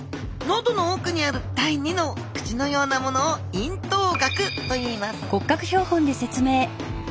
喉の奥にある第２の口のようなものを咽頭顎といいます